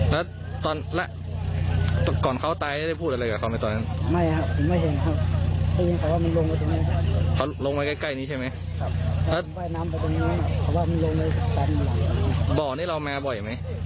บ่อนี้เรามาบ่อยมั้ย